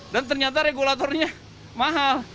dan ternyata regulatornya mahal